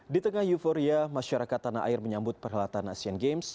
di tengah euforia masyarakat tanah air menyambut perhelatan asean games